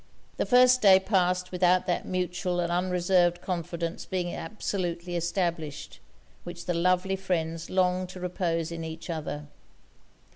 The first day passed without that mutual and unreserved confidence being absolutely established, which the lovely friends longed to repose in each other.